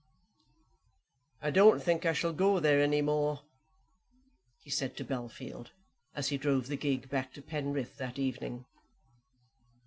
"I don't think I shall go there any more," he said to Bellfield, as he drove the gig back to Penrith that evening.